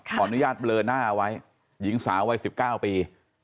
ขออนุญาตเบลอหน้าไว้หญิงสาววัย๑๙ปี